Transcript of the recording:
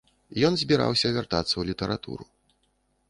Ён збіраўся вяртацца ў літаратуру.